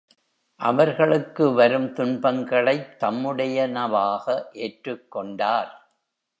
அவர்களுக்கு வரும் துன்பங்களைத் தம்முடையனவாக ஏற்றுக் கொண்டார்.